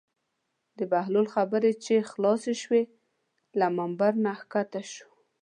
د بهلول خبرې چې خلاصې شوې له ممبر نه کښته شو.